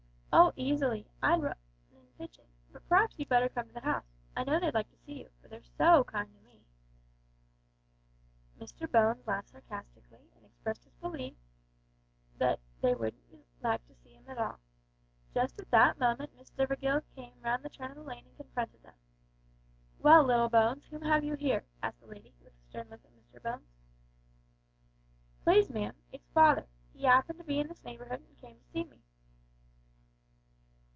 "Oh, easily. I'll run an' fetch it; but p'r'aps you had better come to the house. I know they'd like to see you, for they're so kind to me." Mr Bones laughed sarcastically, and expressed his belief that they wouldn't like to see him at all. Just at that moment Miss Stivergill came round the turn of the lane and confronted them. "Well, little Bones, whom have you here?" asked the lady, with a stern look at Mr Bones. "Please, ma'am, it's father. He 'appened to be in this neighbourhood, and came to see me."